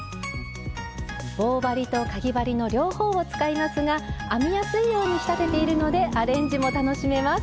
棒針とかぎ針の両方を使いますが編みやすいように仕立てているのでアレンジも楽しめます。